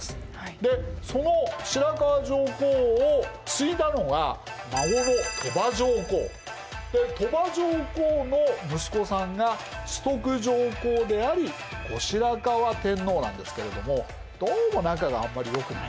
でその白河上皇を継いだのが孫の鳥羽上皇。で鳥羽上皇の息子さんが崇徳上皇であり後白河天皇なんですけれどもどうも仲があんまり良くない。